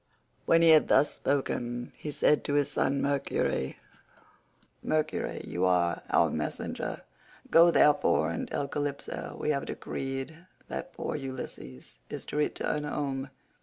When he had thus spoken, he said to his son Mercury, "Mercury, you are our messenger, go therefore and tell Calypso we have decreed that poor Ulysses is to return home.